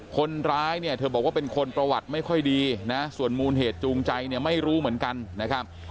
คนร้ายเนี่ยเธอบอกว่าเป็นคนประวัติไม่ค่อยดีนะส่วนมูลเหตุจูงใจเนี่ยไม่รู้เหมือนกันนะครับ